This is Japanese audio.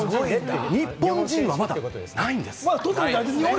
日本人はまだないんです。